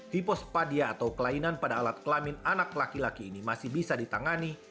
hipospadia atau kelainan pada alat kelamin anak laki laki ini masih bisa ditangani